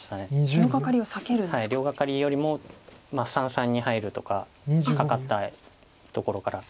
両ガカリよりも三々に入るとかカカったところから。